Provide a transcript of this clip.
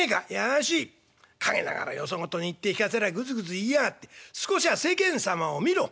陰ながらよそ事に言って聞かせりゃグズグズ言いやがって少しは世間様を見ろ。